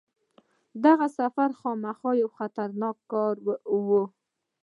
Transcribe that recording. دغه سفر خامخا یو خطرناک کار وو.